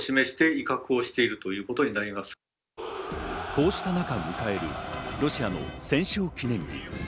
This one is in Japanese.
こうした中、迎えるロシアの戦勝記念日。